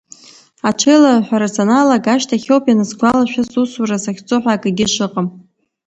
Аҽеилаҳәара саналга ашьҭахьоуп ианысгәалашәа, сусура сахьцо ҳәа акгьы шыҟам.